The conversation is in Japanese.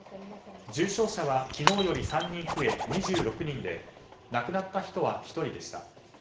重症者は昨日より３人増え２６人で亡くなった人は１人でした。